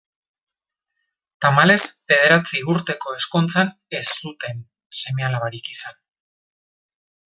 Tamalez, bederatzi urteko ezkontzan ez zuten seme-alabarik izan.